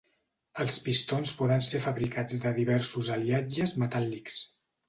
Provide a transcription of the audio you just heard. Els pistons poden ser fabricats de diversos aliatges metàl·lics.